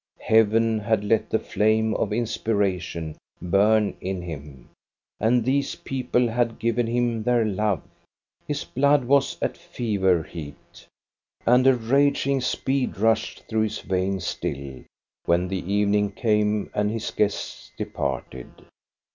Heaven had let the flame of inspiration burn in him, and these people had given him their love. His blood was at fever heat, and at raging speed rushed through his veins still when the evening came and his guests departed.